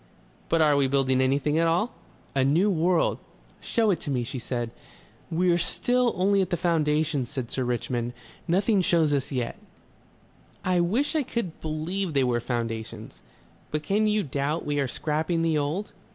"But are we building anything at all?" "A new world." "Show it me," she said. "We're still only at the foundations," said Sir Richmond. "Nothing shows as yet." "I wish I could believe they were foundations." "But can you doubt we are scrapping the old?..."